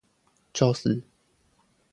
宙斯